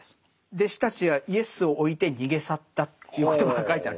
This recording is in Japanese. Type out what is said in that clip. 「弟子たちはイエスを置いて逃げ去った」という言葉が書いてある。